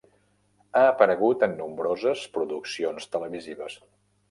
Ha aparegut en nombroses produccions televisives.